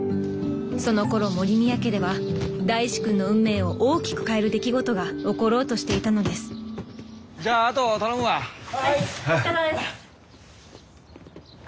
そのころ森宮家では大志くんの運命を大きく変える出来事が起ころうとしていたのですじゃあ